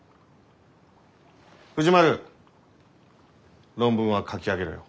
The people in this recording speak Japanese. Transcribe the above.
藤丸論文は書き上げろよ。